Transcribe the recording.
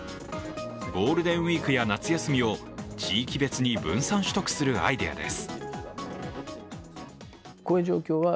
ゴールデンウイークや夏休みを地域別に分散取得するアイデアです。